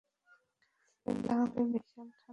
এটা হবে বিশাল, ঠান্ডাময় যাত্রা।